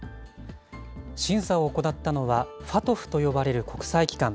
審査を行ったのは、ＦＡＴＦと呼ばれる国際機関。